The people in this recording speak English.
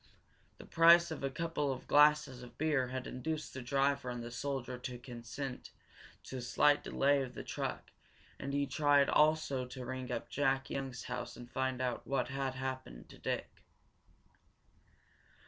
The price of a couple of glasses of beer had induced the driver and the soldier to consent to a slight delay of the truck, and he tried also to ring up Jack Young's house and find out what had happened to Dick.